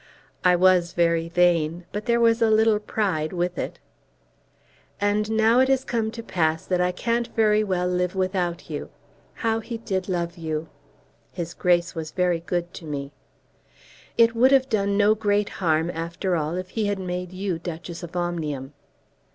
"I was very vain, but there was a little pride with it." "And now it has come to pass that I can't very well live without you. How he did love you!" "His Grace was very good to me." "It would have done no great harm, after all, if he had made you Duchess of Omnium."